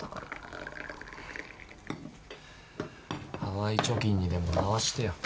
ハワイ貯金にでも回してよ。